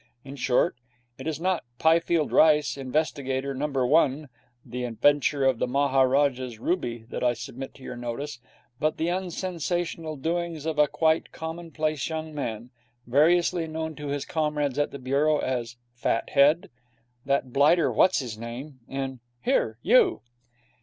In short, it is not 'Pifield Rice, Investigator. No. 1. The Adventure of the Maharajah's Ruby' that I submit to your notice, but the unsensational doings of a quite commonplace young man, variously known to his comrades at the Bureau as 'Fathead', 'That blighter what's his name', and 'Here, you!'